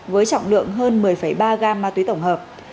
với trọng lượng hơn một mươi ba gam ma túy tổng hợp